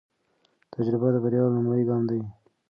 تجربه د بریا لومړی ګام دی.